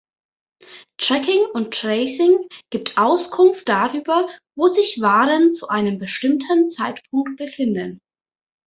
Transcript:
Tracking und Tracing gibt Auskunft darüber, wo sich Waren zu einem bestimmten Zeitpunkt befinden.